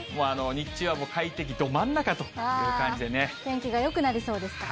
もう日中は快適ど真ん中という感天気がよくなりそうですか。